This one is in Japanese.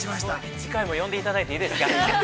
◆次回も呼んでいただいていいですか。